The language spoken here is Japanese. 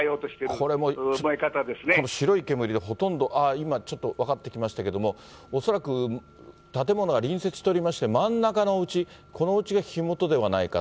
これもう、白い煙でほとんど、今、ちょっと分かってきましたけれども、恐らく建物が隣接しておりまして、真ん中のおうち、このうちが火元ではないかと。